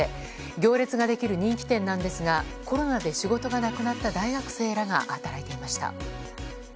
行列ができる人気店なんですがコロナで仕事がなくなった大学生らが働いていました。